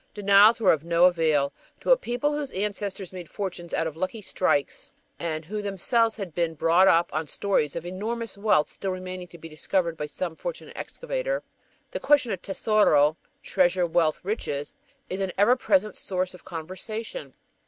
Denials were of no avail. To a people whose ancestors made fortunes out of lucky "strikes," and who themselves have been brought up on stories of enormous wealth still remaining to be discovered by some fortunate excavator, the question of tesoro treasure, wealth, riches is an ever present source of conversation.